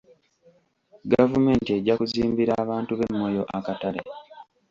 Gavumenti ejja kuzimbira abantu b'e Moyo akatale.